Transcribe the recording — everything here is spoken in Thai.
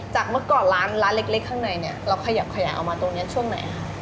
เมื่อก่อนร้านเล็กข้างในเนี่ยเราขยับขยายเอามาตรงนี้ช่วงไหนคะ